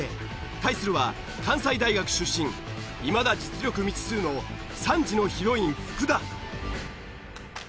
対するは関西大学出身いまだ実力未知数の３時のヒロイン福田。